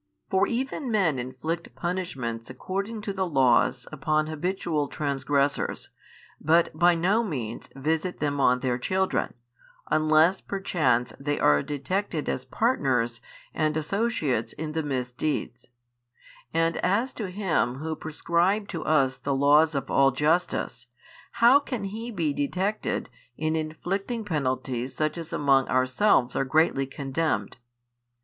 For even men inflict punishments according to the laws upon habitual transgressors, but by no means visit them on their children, unless perchance they are detected as partners and associates in the misdeeds: and as to Him Who prescribed to us the laws of all justice, how can He be detected in inflicting penalties such as among ourselves are greatly condemned?